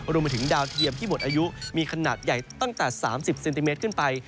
รวมไปถึงดาวเทียมที่หมดอายุมีขนาดใหญ่ตั้งแต่๓๐เซนติเมตรขึ้นไป